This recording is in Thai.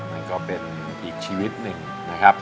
มันก็เป็นอีกชีวิตหนึ่งนะครับ